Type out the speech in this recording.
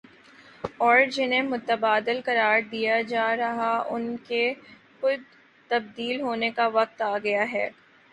اور جنہیں متبادل قرار دیا جا رہا ان کے خود تبدیل ہونے کا وقت آ گیا ہے ۔